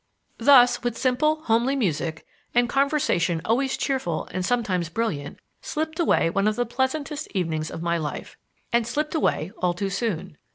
Thus, with simple, homely music, and conversation always cheerful and sometimes brilliant, slipped away one of the pleasantest evenings of my life, and slipped away all too soon.